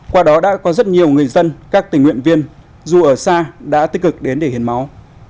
qua đó đã có rất nhiều người dân các tình nguyện viên dù ở xa đã tích cực đến để hiến máu